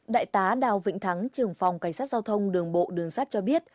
đại tá đào vĩnh thắng trưởng phòng cảnh sát giao thông đường bộ đường sát cho biết